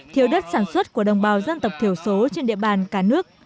thiếu đất sản xuất của đồng bào dân tộc thiểu số trên địa bàn cả nước